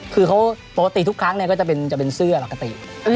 คือเขาปกติทุกครั้งก็จะเป็นเสื้อปกติ